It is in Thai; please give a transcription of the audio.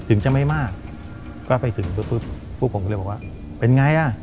ถึงจะไม่มากก็ไปถึงปุ๊บพวกผมก็เลยบอกว่าเป็นไงอ่ะ